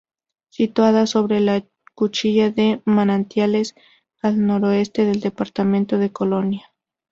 Situada sobre la Cuchilla de Manantiales, al noroeste del Departamento de Colonia.